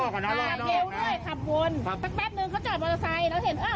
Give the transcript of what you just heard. ก็เดินตามหาเขาว่าเขาอยู่ที่ไหน